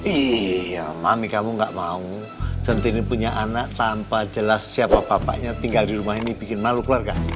iya mami kamu nggak mau centini punya anak tanpa jelas siapa papanya tinggal di rumah ini bikin malu keluar kak